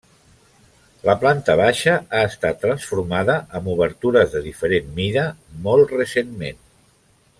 La planta baixa ha estat transformada amb obertures de diferent mida, molt recentment.